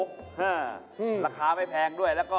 คือราคาไม่แพงด้วยแล้วก็๔๐๐กรัม